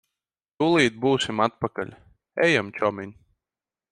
Tūlīt būsim atpakaļ. Ejam, čomiņ.